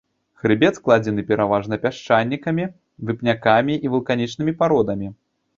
Хрыбет складзены пераважна пясчанікамі, вапнякамі і вулканічнымі пародамі.